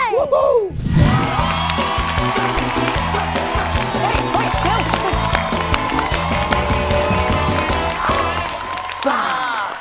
คะ